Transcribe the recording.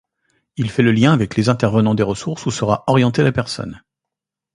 Il fait le lien avec les intervenants des ressources où sera orientée la personne.